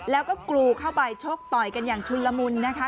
แล้วก็กรูเข้าไปชกต่อยกันอย่างชุนละมุนนะคะ